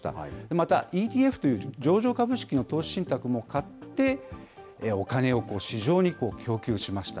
また、ＥＴＦという上場株式の投資信託も買って、お金を市場に供給しました。